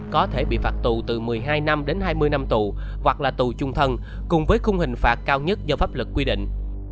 có thể bị phạt tù từ một mươi hai năm đến hai mươi năm tù hoặc là tù chung thân cùng với khung hình phạt cao nhất do pháp lực quy định